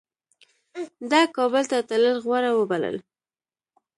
ده کابل ته تلل غوره وبلل.